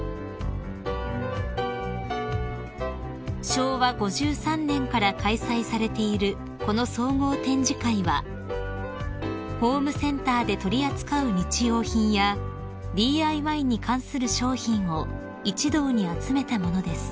［昭和５３年から開催されているこの総合展示会はホームセンターで取り扱う日用品やＤＩＹに関する商品を一堂に集めたものです］